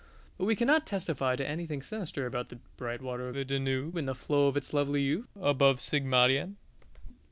But we cannot testify to anything sinister in the bright water of the Danube in the flow of its lovely youth, above Sigmaringen.